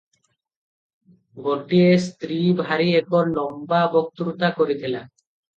ଗୋଟିଏ ସ୍ତ୍ରୀ ଭାରି ଏକ ଲମ୍ବା ବକ୍ତୃତା କରିଥିଲା ।